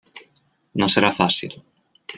No serà fàcil.